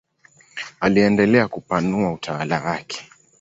Aliendelea kupanua utawala wake.